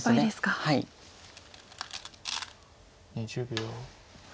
２０秒。